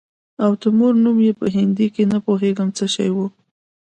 او د مور نوم يې په هندي کښې نه پوهېږم څه شى و.